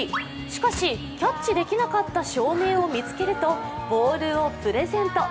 しかし、キャッチできなかった少年を見つけるとボールをプレゼント。